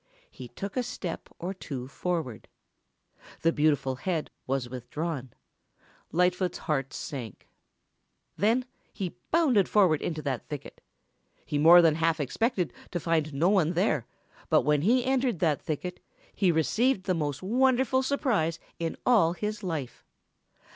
He took a step or two forward. The beautiful head was withdrawn. Lightfoot's heart sank. Then he bounded forward into that thicket. He more than half expected to find no one there, but when he entered that thicket he received the most wonderful surprise in all his life.